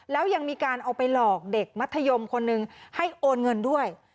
แล้วยังมีการเอาไปหลอกเด็กมัธยมคนหนึ่งให้โอนเงินด้วย